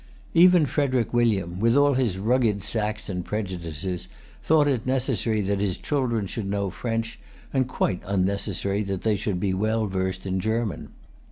Even Frederic William, with all his rugged Saxon prejudices, thought it necessary that his children should know French, and quite unnecessary that they should be well versed in German.